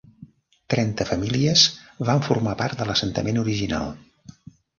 Trenta famílies van formar part de l'assentament original.